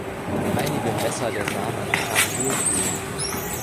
Einige „Messer der Samen“ haben Hohlkehlen.